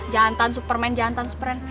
jantan superman jantan superman